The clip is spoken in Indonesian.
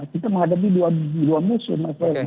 kita menghadapi dua musuh